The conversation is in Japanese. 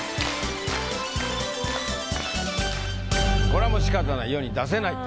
これはもうしかたない。